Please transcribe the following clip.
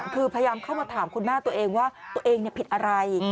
คือพยายามเข้ามาถามคุณแม่ตัวเองว่าตัวเองผิดอะไร